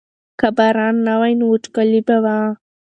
که باران نه وای نو وچکالي به وه.